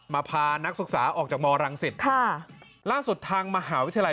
พานักศึกษาออกจากมรังสิตค่ะล่าสุดทางมหาวิทยาลัย